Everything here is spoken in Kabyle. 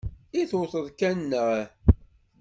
I tewteḍ kan nneḥ?